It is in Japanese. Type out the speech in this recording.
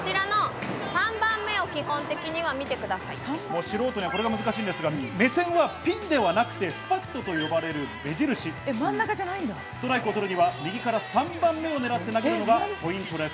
素人にはこれが難しいんですが、目線はピンではなくて、スパットと呼ばれる目印、ストライクを取るには右から３番目を狙って投げるのがポイントです。